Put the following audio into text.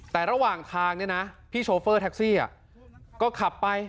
แต่ระหว่างทางเนี่ยนะพี่โชเฟอร์แท็กซี่ก็ขับไป